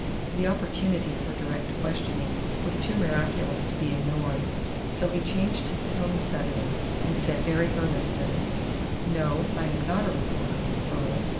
The opportunity for direct questioning was too miraculous to be ignored. So he changed his tone suddenly and said very earnestly: "No, I am not a reporter, Miss Earle.